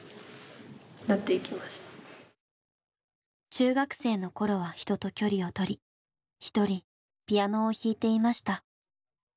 中学生の頃は人と距離を取り一人ピアノを弾いていました。